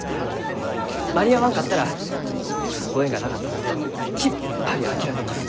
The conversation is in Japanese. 間に合わんかったらご縁がなかったもんときっぱり諦めます。